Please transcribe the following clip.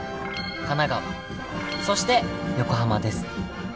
神奈川そして横浜です。